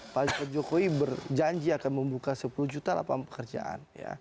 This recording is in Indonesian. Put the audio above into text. pak jokowi berjanji akan membuka sepuluh juta lapangan pekerjaan